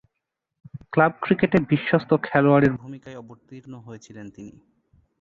Club ক্রিকেটে বিশ্বস্ত খেলোয়াড়ের ভূমিকার অবতীর্ণ হয়েছিলেন তিনি।